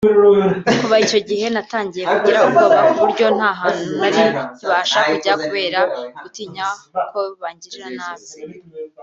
Kuva icyo gihe natangiye kugira ubwoba ku buryo nta hantu nari nkibasha kujya kubera gutinya ko bangirira nabi